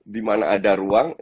di mana ada ruang